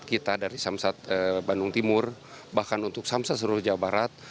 kita dari samsat bandung timur bahkan untuk samsat seluruh jawa barat